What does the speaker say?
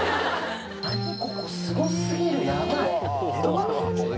何ここすご過ぎるヤバい。